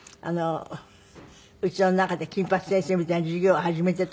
家の中で金八先生みたいに授業を始めてとか。